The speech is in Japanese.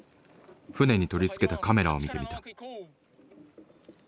船に取り付けたカメラを見てみた。